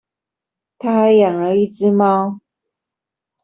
她還養了一隻貓